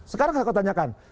sekarang saya akan tanyakan